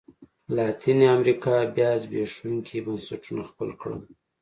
لاتینې امریکا بیا زبېښونکي بنسټونه خپل کړل.